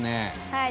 「はい。